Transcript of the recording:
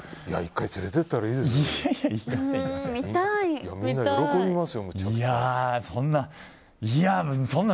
１回、連れてったらいいですよ。